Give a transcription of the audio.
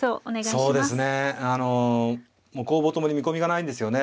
そうですねあのもう攻防共に見込みがないんですよね。